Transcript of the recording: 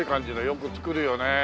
よく造るよねえ。